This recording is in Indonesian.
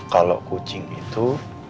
kalau kucing itu